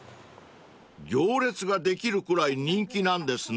［行列ができるくらい人気なんですね］